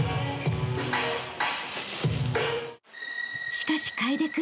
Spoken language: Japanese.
［しかし楓君